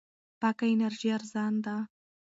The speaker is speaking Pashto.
پاکه انرژي ارزان ده.